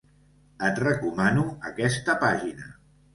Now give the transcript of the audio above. Et recomano aquesta pàgina.